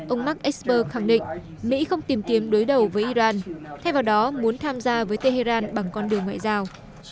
ông mark esper khẳng định mỹ không tìm kiếm đối đầu với iran thay vào đó muốn tham gia với tehran bằng con đường ngoại giao